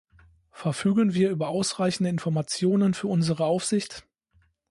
Verfügen wir über ausreichende Informationen für unsere Aufsicht?